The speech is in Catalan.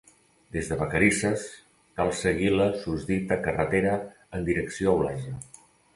Des de Vacarisses, cal seguir la susdita carretera en direcció a Olesa.